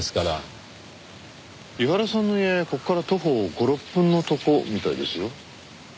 井原さんの家ここから徒歩５６分のとこみたいですよ。